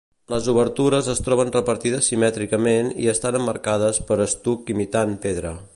Les obertures es troben repartides simètricament i estan emmarcades per estuc imitant pedra.